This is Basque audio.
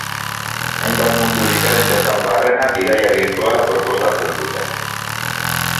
Hainbat mundu diferentetan barrena bidaia birtuala proposatzen dute.